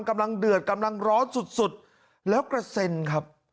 กำลังเดือดกำลังร้อนสุดแล้วกระเซนครับ